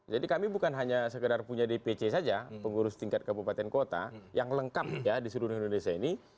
kami bukan hanya sekedar punya dpc saja pengurus tingkat kabupaten kota yang lengkap ya di seluruh indonesia ini